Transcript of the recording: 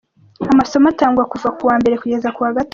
Amasomo atangwa kuva kuwa Mbere kugeza kuwa Gatanu.